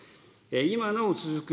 今なお続く